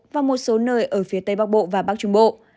và một số nơi ở phía tây bắc bộ và bắc trung bộ